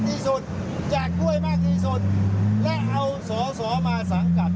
ไปจากด้วยในสภาและเอามาสังกัด